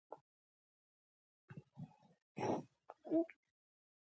په دې د پوهېدو لپاره بايد لومړی د ستونزې په شتون اعتراف وکړئ.